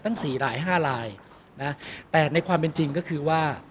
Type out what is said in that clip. สี่รายห้ารายนะแต่ในความเป็นจริงก็คือว่า